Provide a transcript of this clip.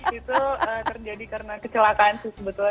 itu terjadi karena kecelakaan sih sebetulnya